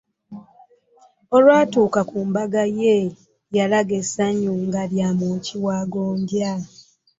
Olwatuuka ku mbaga ye, yalaga essanyu nga elyomwoki wa gonja.